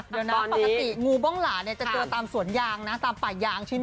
เดี๋ยวนะปกติงูบ้องหลาเนี่ยจะเจอตามสวนยางนะตามป่ายางชิ้น